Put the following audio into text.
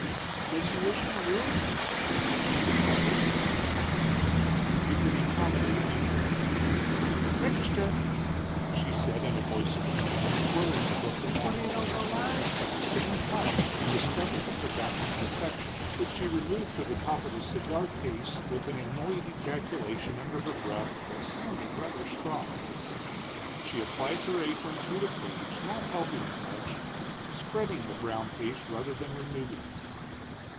"Was you wishin' a room?" she inquired. "If you can accommodate me." "Register," she said, in voice of command, whirling the book about. At the same time she discovered the forgotten confection, which she removed to the top of the cigar case with an annoyed ejaculation under her breath that sounded rather strong. She applied her apron to the page, not helping it much, spreading the brown paste rather than removing it.